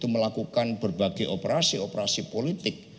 melakukan berbagai operasi operasi politik